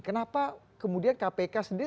kenapa kemudian kpk sendiri